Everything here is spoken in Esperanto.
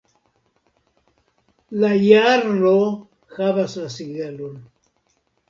La jarlo havas la sigelon.